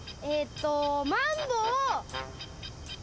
マンボウ。